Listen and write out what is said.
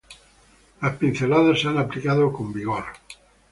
Las pinceladas se han aplicado con vigor.